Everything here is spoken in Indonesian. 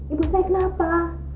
ibu saya kenapa